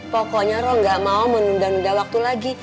pokoknya rum gak mau menunda nunda waktu lagi